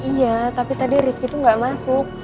iya tapi tadi rifki tuh gak masuk